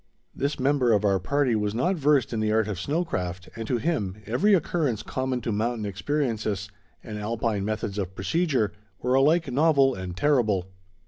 This member of our party was not versed in the art of snow craft, and to him, every occurrence common to mountain experiences, and Alpine methods of procedure, were alike novel and terrible.